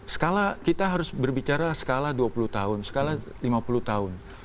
skala kita harus berbicara skala dua puluh tahun skala lima puluh tahun